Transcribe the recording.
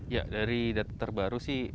ya dari data terbaru sih